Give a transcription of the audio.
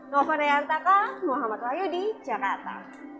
ngofer naya antaka muhammad wayudi jakarta